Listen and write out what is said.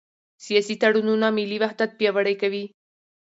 سیاسي تړونونه ملي وحدت پیاوړی کوي